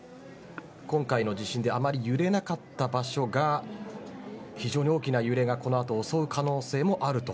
今回の地震であまり揺れなかった場所が非常に大きな揺れがこの後襲う可能性もあると。